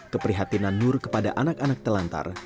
keprihatinan nur kepada anak anak telantar